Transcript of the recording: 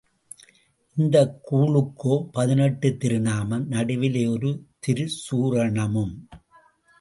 இந்தக் கூழுக்கோ பதினெட்டுத் திருநாமமும் நடுவிலே ஒரு திருச்சூர்ணமும்.